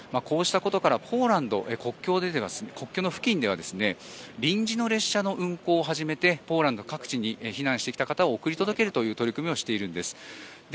こうしたことからポーランド国境の付近では臨時列車の運航を始めてポーランド各地に避難した人を送り届けるという取り組みをしているんです。